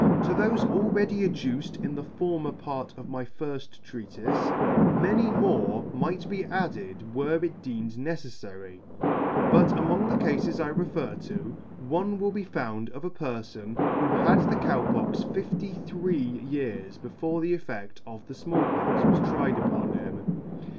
To thofe already adduced in the former part of my firft Treatife*, See pages 9, it, 12, 13, 14, 20, &c. many I *73 J many more might be added were it deemed necettary ; but among the Cafes I refer to, one will be found of a perfon who had the Cow Pox fifty three years before the effect of the Small Pox was tried upon him.